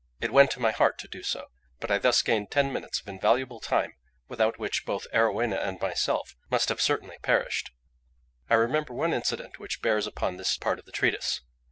It went to my heart to do so; but I thus gained ten minutes of invaluable time, without which both Arowhena and myself must have certainly perished. I remember one incident which bears upon this part of the treatise.